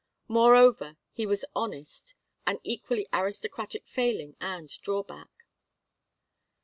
Moreover, he was honest; an equally aristocratic failing and drawback.